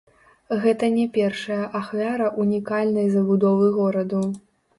Гэта не першая ахвяра ўнікальнай забудовы гораду.